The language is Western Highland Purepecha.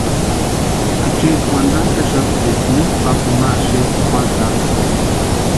Acheeti wantantaxapti eska mitʼu papuni ma xespka juatarhu.